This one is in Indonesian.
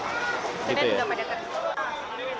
jadi gak pada terhenti